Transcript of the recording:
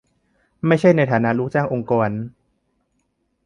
ไม่ใช่ในฐานะลูกจ้างองค์กร